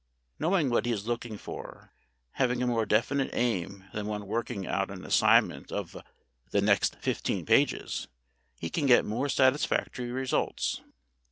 Knowing what he is looking for, having a more definite aim than one working out an assignment of "the next fifteen pages," he can get more satisfactory results.